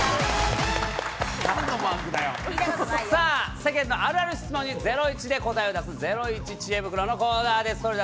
世間のあるある質問に『ゼロイチ』で答えを出す、ゼロイチ知恵袋のコーナーです。